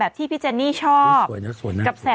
แบบที่พี่เซนนี่ชอบ